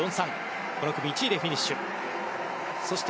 この組１位でフィニッシュ。